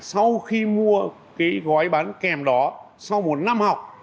sau khi mua cái gói bán kèm đó sau một năm học